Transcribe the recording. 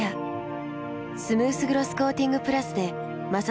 スムースグロスコーティングプラスで摩擦ダメージも低減。